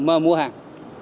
mà mua hàng